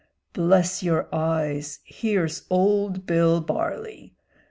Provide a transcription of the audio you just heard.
bless your eyes, here's old Bill Barley!